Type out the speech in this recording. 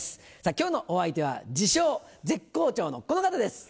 今日のお相手は自称「絶好調」のこの方です。